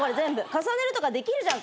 重ねるとかできるじゃん。